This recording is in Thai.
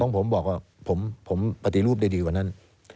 ผมบอกว่าผมปฏิรูปได้ดีกว่านั้น